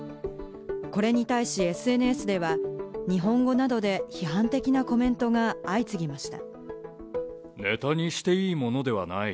これに対しＳＮＳでは、日本語などで批判的なコメントが相次ぎました。